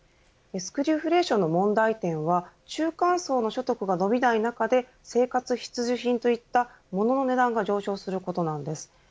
スクリューフレーションの問題点は中間層の所得が伸びない中で生活必需品といったものの値段が上昇することなんです。